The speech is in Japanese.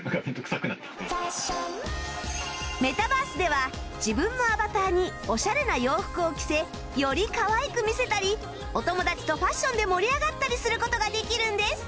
メタバースでは自分のアバターにオシャレな洋服を着せよりかわいく見せたりお友達とファッションで盛り上がったりする事ができるんです